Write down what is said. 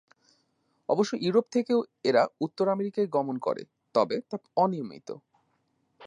অবশ্য ইউরোপ থেকেও এরা উত্তর আমেরিকায় গমন করে, তবে তা অনিয়মিত।